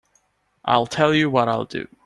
I'll tell you what I'll do.